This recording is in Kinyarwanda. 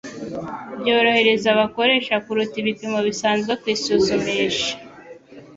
byorohereza abakoresha kuruta ibipimo bisanzwe byo kwisuzumisha